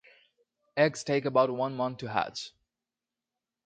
Eggs take about one month to hatch.